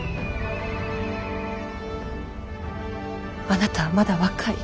あなたはまだ若い。